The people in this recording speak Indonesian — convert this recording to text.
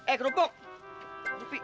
eh geruk kok